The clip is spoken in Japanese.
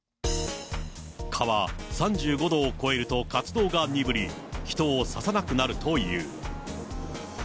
蚊は、３５度を超えると活動が鈍り、人を刺さなくなるという。